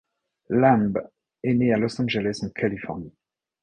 Lamb est né à Los Angeles en Californie.